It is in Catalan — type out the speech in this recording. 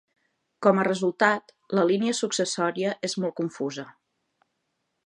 Com a resultat, la línia successòria és molt confusa.